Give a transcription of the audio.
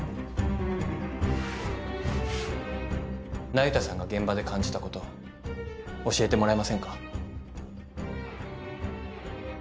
那由他さんが現場で感じたこと教えてもらえませんか？